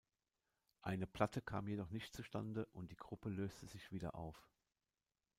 Eine Platte kam jedoch nicht zustande und die Gruppe löste sich wieder auf.